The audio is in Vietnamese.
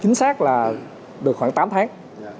chính xác là được khoảng tám tháng